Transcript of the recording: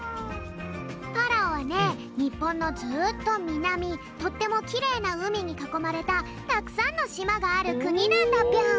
パラオはね日本のずっとみなみとってもきれいなうみにかこまれたたくさんのしまがある国なんだぴょん。